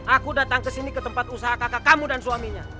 aku datang ke sini ke tempat usaha kakak kamu dan suaminya